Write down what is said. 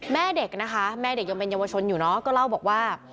แม่เด็กนะคะแม่เด็กยังเป็นเยาวชนอยู่เนอะก็เล่าบอกว่า